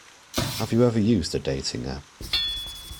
Have you ever used a dating app?